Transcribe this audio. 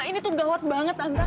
ini tuh gawat banget antara